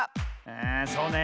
あそうね。